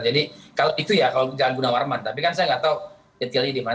jadi itu ya kalau kita guna warman tapi kan saya nggak tahu detailnya di mana